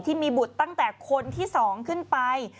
ที่มีบุตรตั้งแต่คนที่๒ขึ้นไป